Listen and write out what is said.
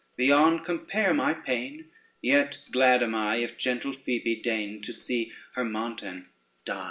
Beyond compare my pain; Yet glad am I, If gentle Phoebe deign To see her Montan die.